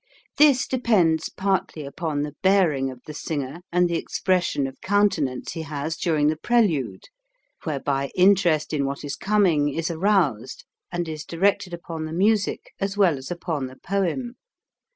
This depends partly upon the bear ing of the singer and the expression of coun tenance he has during the prelude, whereby interest in what is coming is aroused and is directed upon the music as well as upon the poem.